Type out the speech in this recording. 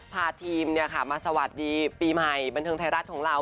พาทีมมาสวัสดีปีใหม่บันเทิงไทยรัฐของเรา